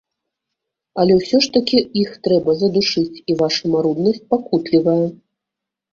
Але ўсё ж такі іх трэба задушыць, і ваша маруднасць пакутлівая.